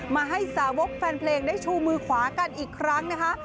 มาให้สาวกแฟนเพลงได้ชูมือขวากันอีกครั้งนะคะ